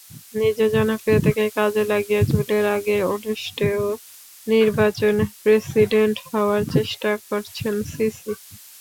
নিজের জনপ্রিয়তাকে কাজে লাগিয়ে জুনের আগে অনুষ্ঠেয় নির্বাচনে প্রেসিডেন্ট হওয়ার চেষ্টা করছেন সিসি।